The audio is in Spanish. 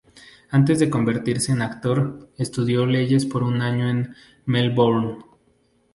Antes de convertirse en actor, estudió leyes por un año en Melbourne.